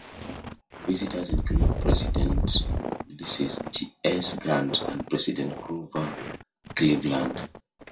Visitors included President Ulysses S. Grant and President Grover Cleveland.